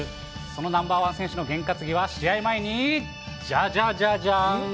そのナンバー１選手のげん担ぎは、試合前にじゃじゃじゃじゃん！